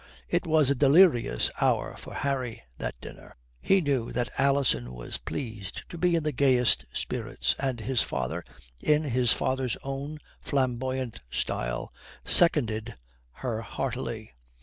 It was a delirious hour for Harry, that dinner. He knew that Alison was pleased to be in the gayest spirits, and his father, in his father's own flamboyant style, seconded her heartily.